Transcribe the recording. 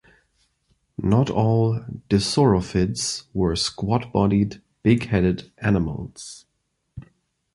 Not all Dissorophids were squat-bodied big headed animals.